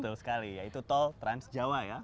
betul sekali yaitu tol trans jawa ya